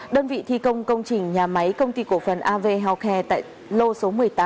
đơn vị thi công công trình nhà máy công ty cổ phần av healthcare tại lô số một mươi tám